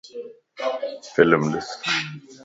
فلم ڏس